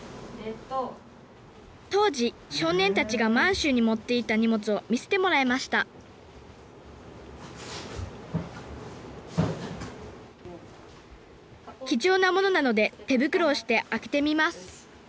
当時少年たちが満州に持っていった荷物を見せてもらいました貴重なものなので手袋をして開けてみます